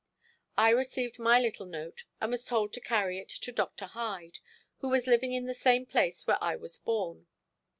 I received my little note and was told to carry it to Dr. Hyde, who was living in the same place where I was born.